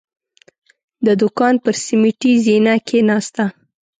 د دوکان پر سيميټي زينه کېناسته.